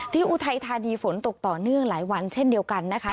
อุทัยธานีฝนตกต่อเนื่องหลายวันเช่นเดียวกันนะคะ